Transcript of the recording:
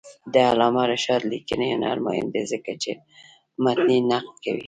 د علامه رشاد لیکنی هنر مهم دی ځکه چې متني نقد کوي.